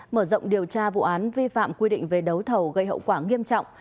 mở rộng điều tra vụ án vi phạm quy định về đấu thầu gây hậu quả nghiêm trọng